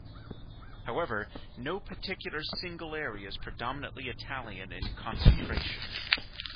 However, no particular single area is predominantly Italian in concentration.